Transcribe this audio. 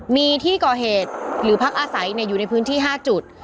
มีที่ก่อเหตุหรือพักอาศัยอยู่ในพื้นที่๕จุด